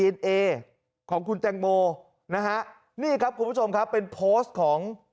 เมื่อทีมกฎหมายของ